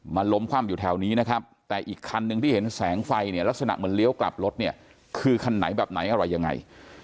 ล้มคว่ำอยู่แถวนี้นะครับแต่อีกคันหนึ่งที่เห็นแสงไฟเนี่ยลักษณะเหมือนเลี้ยวกลับรถเนี่ยคือคันไหนแบบไหนอะไรยังไง